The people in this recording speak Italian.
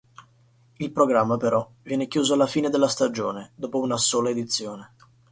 Il programma però viene chiuso alla fine della stagione, dopo una sola edizione.